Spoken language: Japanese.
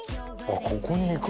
ここにいく？